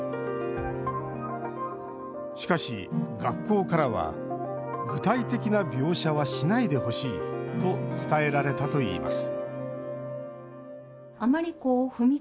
しかし、学校からは「具体的な描写はしないでほしい」と伝えられたといいます